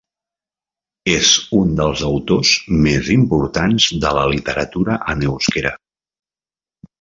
És un dels autors més importants de la literatura en euskera.